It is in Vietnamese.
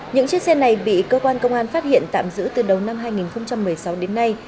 những chiếc xe này bị cơ quan công an phát hiện tạm giữ từ đầu năm hai nghìn một mươi sáu đến nay